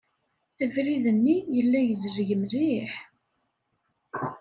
Abrid-nni yella yezleg mliḥ.